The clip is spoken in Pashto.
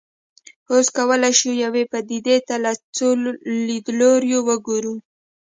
اوس کولای شو یوې پدیدې ته له څو لیدلوریو وګورو.